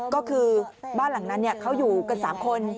ก็คือบ้านหลังนั้นเขาอยู่กัน๓คน